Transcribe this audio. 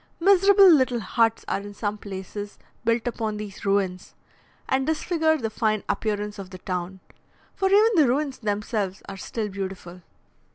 Miserable little huts are in some places built upon these ruins, and disfigure the fine appearance of the town, for even the ruins themselves are still beautiful.